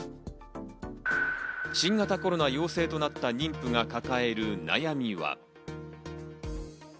新型コロナ陽性となった妊婦が抱える悩みは。